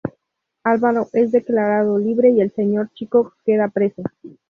Álvaro es declarado libre y el señor Chico queda preso.